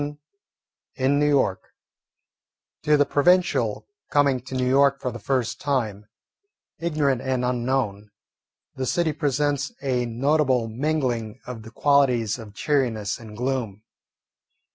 VII IN NEW YORK To the provincial coming to New York for the first time, ignorant and unknown, the city presents a notable mingling of the qualities of cheeriness and gloom.